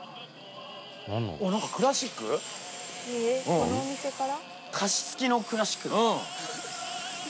このお店から？